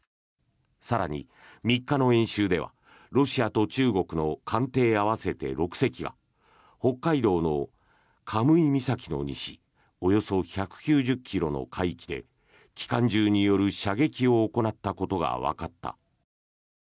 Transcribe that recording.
更に、３日の演習ではロシアと中国の艦艇合わせて６隻が北海道の神威岬の西およそ１９０ｋｍの海域で機関銃による射撃を行ったことがわかった。